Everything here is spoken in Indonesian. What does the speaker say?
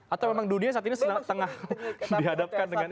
atau memang dunia saat ini tengah dihadapkan dengan